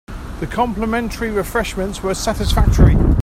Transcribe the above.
The complimentary refreshments were satisfactory.